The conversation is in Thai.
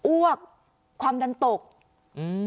อ้วกความดันตกอืม